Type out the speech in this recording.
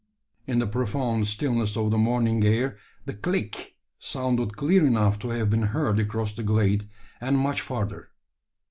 In the profound stillness of the morning air the "click" sounded clear enough to have been heard across the glade, and much further.